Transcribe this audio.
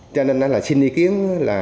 cho nên xin ý kiến